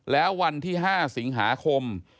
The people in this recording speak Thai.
แล้ววันที่๕สิงหาคม